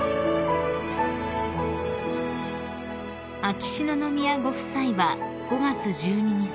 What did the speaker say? ［秋篠宮ご夫妻は５月１２日